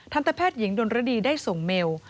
ตแพทย์หญิงดนรดีได้ส่งเมล